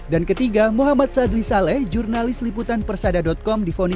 dan ketiga muhammad sadli saleh jurnalis liputan persada com